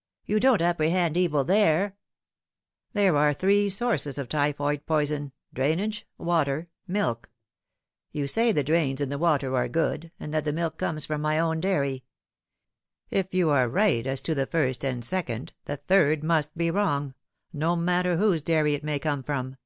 " You don't apprehend evil there ?"" There are three sources of typhoid poison drainage, water, milk. You say the drains and the water are good, and that the milk comes from my own dairy. If you are right as to the first and second, the third must be wrong, no matter whose dairy it may come from."